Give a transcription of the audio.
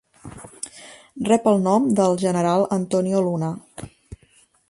Rep el nom del general Antonio Luna.